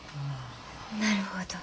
なるほど。